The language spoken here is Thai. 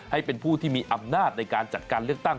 ให้เป็นผู้ที่มีอำนาจในการจัดการเลือกตั้ง